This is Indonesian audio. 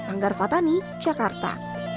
anggar fatani jakarta